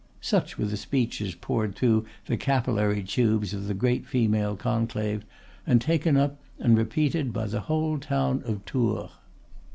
Such were the speeches poured through the capillary tubes of the great female conclave, and taken up and repeated by the whole town of Tours.